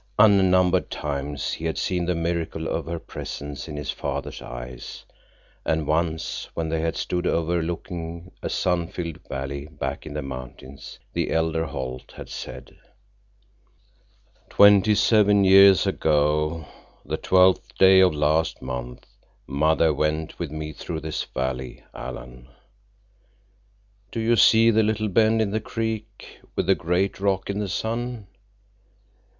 Unnumbered times he had seen the miracle of her presence in his father's eyes, and once, when they had stood overlooking a sun filled valley back in the mountains, the elder Holt had said: "Twenty seven years ago the twelfth day of last month, mother went with me through this valley, Alan. Do you see the little bend in the creek, with the great rock in the sun?